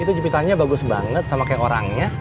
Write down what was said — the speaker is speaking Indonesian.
itu jupitannya bagus banget sama kayak orangnya